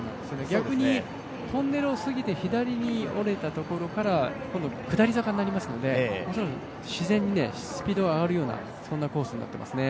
逆にトンネルを過ぎて左に折れたところから、今度は下り坂になりますので、恐らく自然にスピードが上がるようなそんなコースになっていますね。